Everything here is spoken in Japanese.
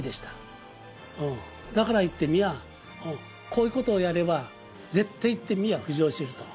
だから言ってみりゃこういうことをやれば絶対言ってみりゃ浮上すると。